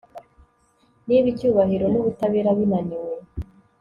niba icyubahiro n'ubutabera binaniwe